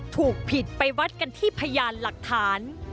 ถูกผิดไปวัดกันที่พยานหลักฐาน